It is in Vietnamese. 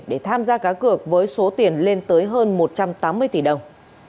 để tham gia cá cược với số tiền lên tới hơn một trăm tám mươi tỷ đồng